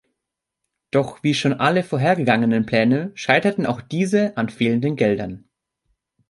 Doch wie schon alle vorangegangenen Pläne scheiterten auch diese an fehlenden Geldern.